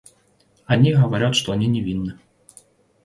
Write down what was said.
О них говорят, что они невинны.